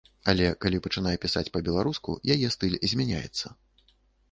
Але калі пачынае пісаць па-беларуску, яе стыль змяняецца.